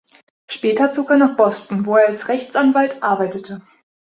Später zog er nach Boston, wo er als Rechtsanwalt arbeitete.